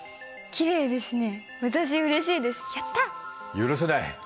許せない。